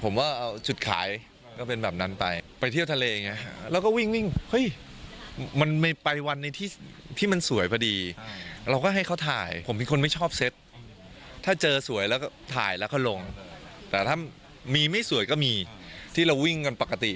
มือนิ่งมากเลยนะแบบดอลลี่แบบทุก